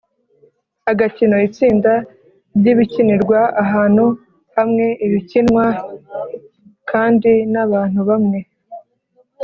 agakino: itsinda ry’ibikinirwa ahantu hamwe bikinwa kandi n’abantu bamwe